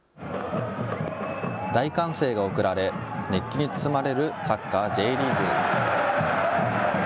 大歓声が送られ、熱気に包まれるサッカーＪリーグ。